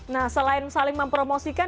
nah selain saling mempromosikan